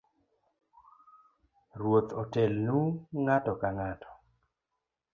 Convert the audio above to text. Ruoth otelnu ng’ato kang’ato